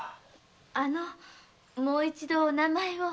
あのもう一度お名前を。